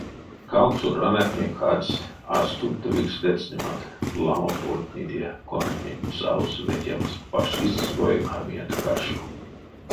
Кавксо ранатне кадсть а стувтовикс ледстнемат ламо бойтнеде, конатнень савсь ветямс фашистской армиянть каршо.